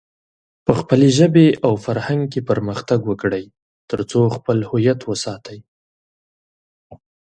په خپلې ژبې او فرهنګ کې پرمختګ وکړئ، ترڅو خپل هويت وساتئ.